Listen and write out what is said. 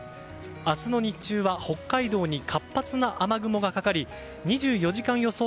明日の日中は北海道に活発な雨雲がかかり２４時間予想